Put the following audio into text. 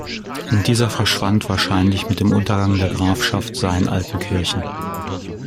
Dieser verschwand wahrscheinlich mit dem Untergang der Grafschaft Sayn-Altenkirchen.